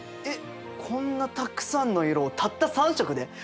えこんなたくさんの色をたった３色で？